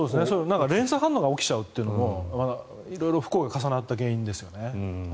連鎖反応が起きちゃうというのも色々、不幸が重なった原因ですよね。